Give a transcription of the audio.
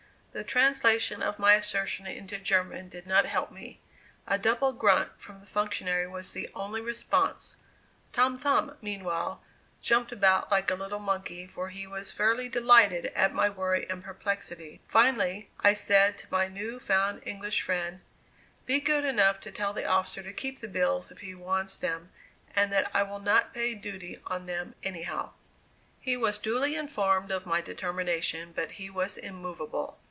The translation of my assertion into German did not help me; a double grunt from the functionary was the only response. Tom Thumb, meanwhile, jumped about like a little monkey for he was fairly delighted at my worry and perplexity. Finally, I said to my new found English friend: "Be good enough to tell the officer to keep the bills if he wants them, and that I will not pay duty on them any how." He was duly informed of my determination, but he was immovable.